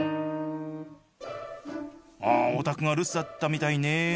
お宅が留守だったみたいね。